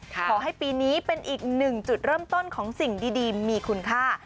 ขอให้ปีนี้เป็นอีกหนึ่งจุดเริ่มต้นของสิ่งดีมีคุณค่า